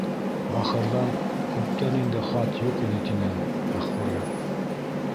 Бахырҙан күптән инде хат юҡ ине, — тине Мәғфүрә.